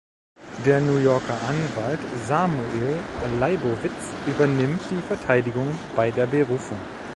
Der New Yorker Anwalt Samuel Leibowitz übernimmt die Verteidigung bei der Berufung.